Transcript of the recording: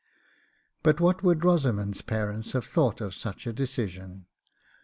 But what would Rosamond's parents have thought of such a decision?